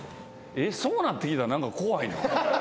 そうなってきたら何か怖いな。